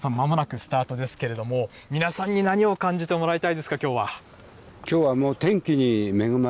松山さん、まもなくスタートですけれども、皆さんに何を感じてもらいたいですか、きょうは。